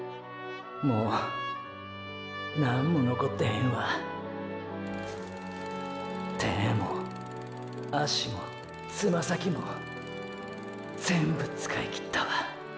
もうなんも残ってへんわ手も足もつま先も全部使いきったわ。